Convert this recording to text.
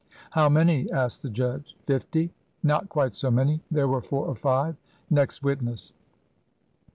"How many?" asked the judge. "Fifty?" "Not quite so many; there were four or five." "Next witness."